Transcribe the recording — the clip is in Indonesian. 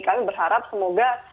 kami berharap semoga